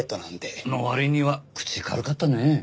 の割には口軽かったねえ。